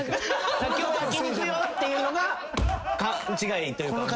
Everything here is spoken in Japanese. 今日焼き肉よっていうのが勘違いというか。